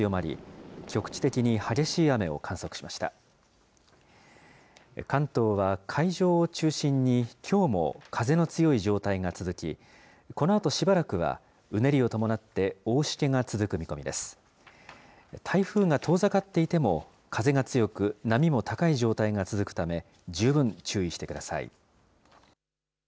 台風が遠ざかっていても、風が強く、波も高い状態が続くため、十分注意してください。